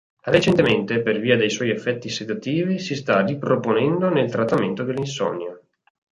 Recentemente, per via dei suoi effetti sedativi, si sta riproponendo nel trattamento dell’insonnia.